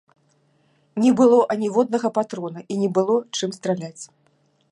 Не было аніводнага патрона і не было чым страляць.